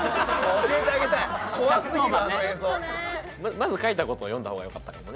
まず書いた事を読んだ方がよかったかもね